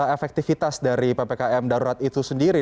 efektivitas dari ppkm darurat itu sendiri